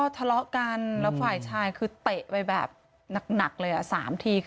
ตังค์อะไรอีกตังค์อะไรอีก